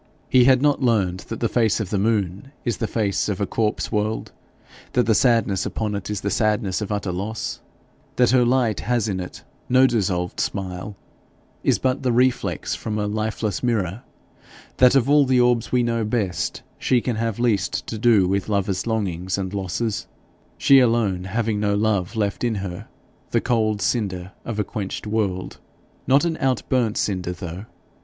He had not learned that the face of the moon is the face of a corpse world; that the sadness upon it is the sadness of utter loss; that her light has in it no dissolved smile, is but the reflex from a lifeless mirror; that of all the orbs we know best she can have least to do with lovers' longings and losses, she alone having no love left in her the cold cinder of a quenched world. Not an out burnt cinder, though!